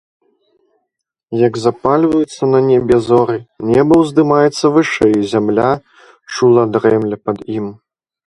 Як запальваюцца на небе зоры, неба ўздымаецца вышэй, зямля чула дрэмле пад ім.